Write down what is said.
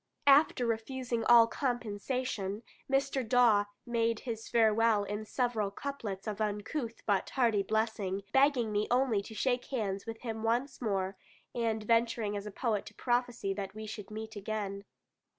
After refusing all compensation, Mr. Dawe made his farewell in several couplets of uncouth but hearty blessing, begging me only to shake hands with him once, and venturing as a poet to prophesy that we should meet again.